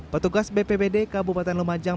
petugas bppd kabupaten lumajang